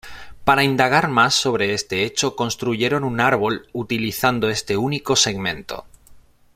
Para indagar más sobre este hecho construyeron un árbol utilizando este único segmento.